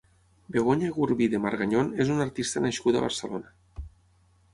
Begoña Egurbide Margañón és una artista nascuda a Barcelona.